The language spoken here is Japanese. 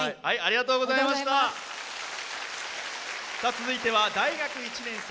続いては大学１年生。